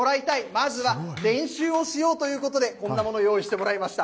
まずは練習をしようということで、こんなもの、用意してもらいました。